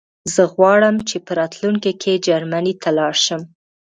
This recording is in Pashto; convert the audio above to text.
زه غواړم چې په راتلونکي کې جرمنی ته لاړ شم